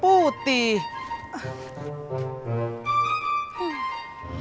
itu nih kan ya